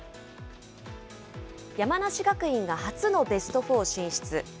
山梨学院が初のベストフォー進出。